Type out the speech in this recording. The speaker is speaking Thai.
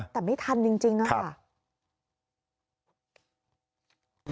แต่ไม่ทันจริงค่ะ